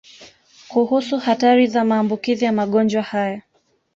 Kuhusu hatari za maambukizi ya magonjwa haya